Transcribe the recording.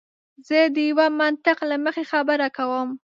زه د یوه منطق له مخې خبره کوم.